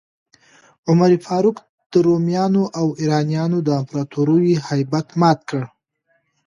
عمر فاروق د رومیانو او ایرانیانو د امپراتوریو هیبت مات کړ.